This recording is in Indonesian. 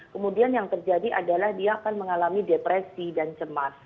kemudian yang terjadi adalah dia akan mengalami depresi dan cemas